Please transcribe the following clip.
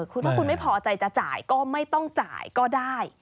คือถ้าคุณไม่พอใจจะจ่ายก็ไม่ต้องจ่ายก็ได้